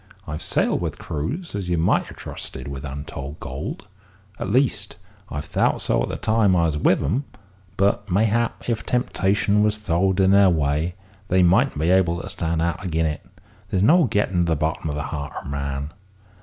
"I've sailed with crews as you might ha' trusted with untold gold, at least, I've thowt so at the time I was with 'em; but mayhap, if temptation was throwed in their way, they mightn't be able to stand out agin it; there's no gettin' to the bottom o' the heart o' man.